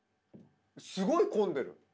すごい混んでる？